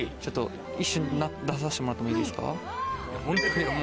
一瞬出させてもらっていいですか？